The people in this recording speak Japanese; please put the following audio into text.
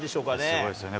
すごいですよね。